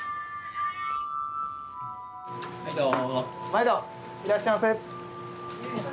毎度いらっしゃいませ。